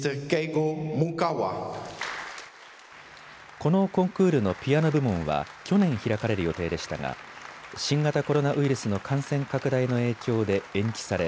このコンクールのピアノ部門は去年、開かれる予定でしたが新型コロナウイルスの感染拡大の影響で延期され